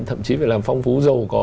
thậm chí phải làm phong phú dầu có